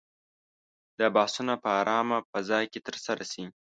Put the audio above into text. دا بحثونه په آرامه فضا کې ترسره شي.